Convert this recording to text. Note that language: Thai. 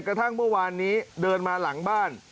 กระทั่งเมื่อวานนี้เดินมาหลังบ้าน